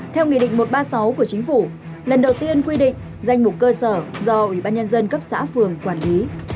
theo nghị định một trăm ba mươi sáu của chính phủ lần đầu tiên quy định danh mục cơ sở do ủy ban nhân dân cấp xã phường quản lý